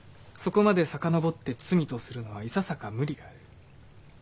そこまで遡って罪とするのはいささか無理がある。